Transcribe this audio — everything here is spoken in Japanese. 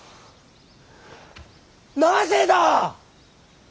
なぜだ！